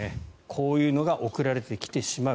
こういうのが送られてきてしまう。